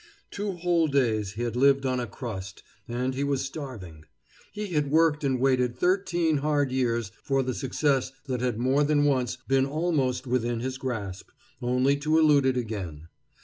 Two whole days he had lived on a crust, and he was starving. He had worked and waited thirteen hard years for the success that had more than once been almost within his grasp, only to elude it again.